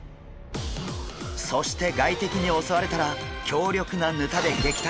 そして外敵に襲われたら強力なヌタで撃退。